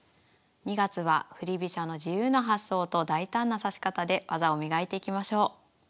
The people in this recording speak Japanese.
２月は振り飛車の自由な発想と大胆な指し方で技を磨いていきましょう。